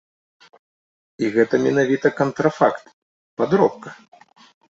І гэта менавіта кантрафакт, падробка.